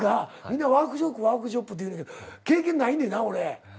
みんなワークショップワークショップて言うけど経験ないねんな俺。